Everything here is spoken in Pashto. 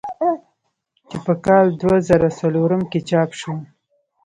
چې پۀ کال دوه زره څلورم کښې چاپ شو ۔